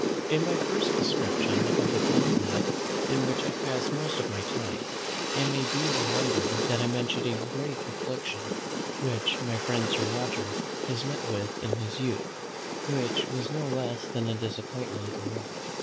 In my first description of the company in which I pass most of my time, it may be remembered that I mentioned a great affliction which my friend Sir Roger had met with in his youth; which was no less than a disappointment in love.